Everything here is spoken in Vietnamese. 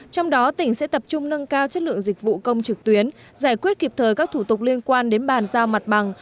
trong đó tỉnh sẽ tập trung nâng cao chất lượng dịch vụ công trực tuyến giải quyết kịp thời các thủ tục liên quan đến bàn giao mặt bằng